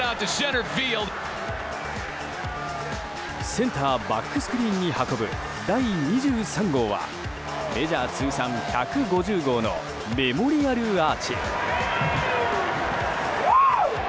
センターバックスクリーンに運ぶ、第２３号はメジャー通算１５０号のメモリアルアーチ。